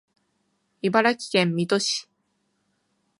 茨城県水戸市